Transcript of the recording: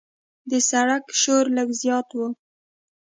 د سړک شور لږ زیات و.